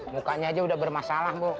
mukanya aja udah bermasalah bu